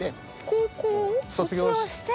高校を卒業して。